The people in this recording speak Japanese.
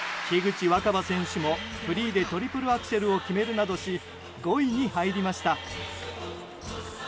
樋口新葉選手もフリーでトリプルアクセルを決めるなどし５位に入りました。